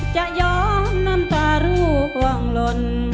จะย้อนน้ำตาลูกว่างลน